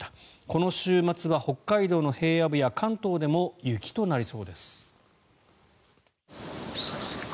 この週末は北海道の平野部や関東でも雪となりそうです。